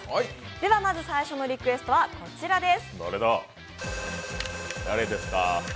まず最初のリクエストはこちらです。